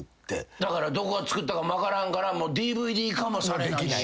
だからどこがつくったかも分からんからＤＶＤ化もされないし。